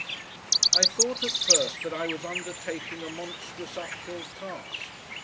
I thought at first that I was undertaking a monstrous uphill task.